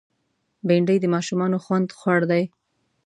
بېنډۍ د ماشومانو خوند خوړ دی